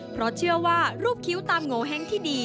เพราะเชื่อว่ารูปคิ้วตามโงเห้งที่ดี